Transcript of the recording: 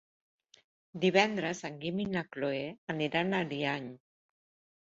Divendres en Guim i na Cloè aniran a Ariany.